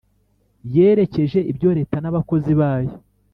Yerekeye ibyo Leta n’abakozi bayo